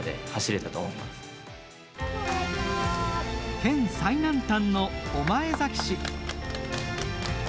県最南端の御前崎市。